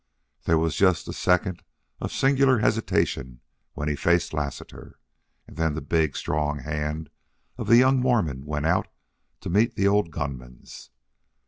There was just a second of singular hesitation when he faced Lassiter, and then the big, strong hand of the young Mormon went out to meet the old gunman's.